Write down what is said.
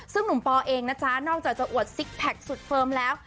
ซึ่งหนุ่มปอเองนะจ๊ะนอกจากจะอวดซิกแพคสุดเฟิร์มแล้ว